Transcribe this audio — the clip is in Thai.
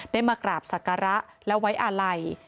มากราบศักระและไว้อาลัย